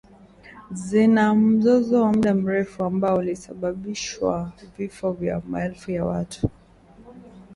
zina mzozo wa muda mrefu ambao ulisababishwa vifo vya maelfu ya watu